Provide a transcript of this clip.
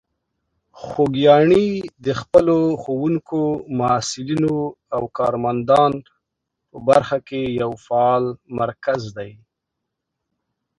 خوږیاڼي د خپلو ښوونکو، محصلینو او کارمندان په برخه کې یو فعال مرکز دی.